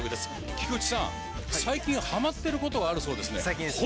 菊池さん最近ハマってることがあるそうですね。